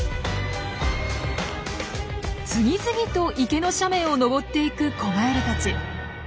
次々と池の斜面を登っていく子ガエルたち。